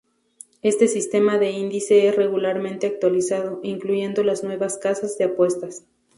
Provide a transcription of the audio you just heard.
Este sistema de índices es regularmente actualizado, incluyendo las nuevas casas de apuestas.